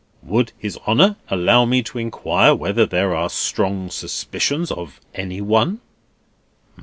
"Would His Honour allow me to inquire whether there are strong suspicions of any one?"